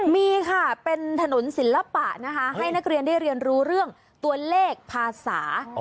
มีค่ะเป็นถนนศิลปะนะคะให้นักเรียนได้เรียนรู้เรื่องตัวเลขภาษา